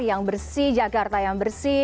yang bersih jakarta yang bersih